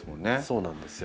そうなんですよ。